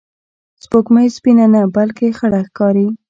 سپوږمۍ سپینه نه، بلکې خړه ښکاري